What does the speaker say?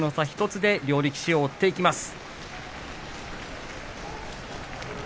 １つで両力士を追っていきます。